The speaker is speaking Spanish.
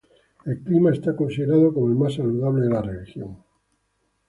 El clima es considerado como el más saludable de la región.